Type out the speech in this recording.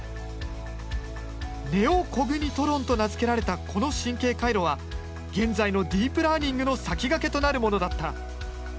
ネオコグニトロンと名付けられたこの神経回路は現在のディープラーニングの先駆けとなるものだった。